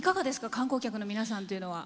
観光客の皆さんというのは。